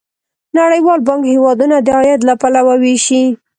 نړیوال بانک هیوادونه د عاید له پلوه ویشي.